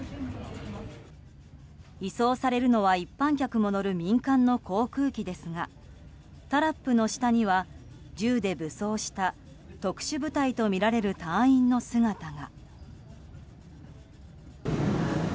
移送されるのは一般客も乗る民間の航空機ですがタラップの下には銃で武装した特殊部隊とみられる隊員の姿が。